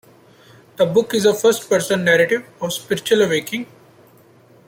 The book is a first-person narrative of spiritual awakening.